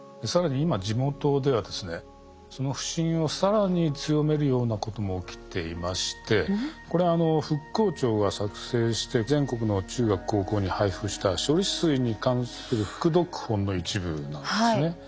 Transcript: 更に今地元ではですねその不信を更に強めるようなことも起きていましてこれは復興庁が作成して全国の中学高校に配布した処理水に関する副読本の一部なんですね。